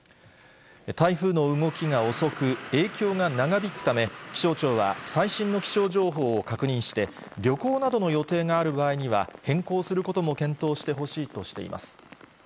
台風の動きが遅く、影響が長引くため、気象庁は最新の気象情報を確認して、旅行などの予定がある場合には変更することも検討してほしいとしています。